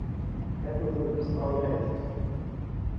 Як вы з гэтым спраўляецеся?